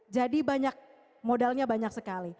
jadi banyak modalnya banyak sekali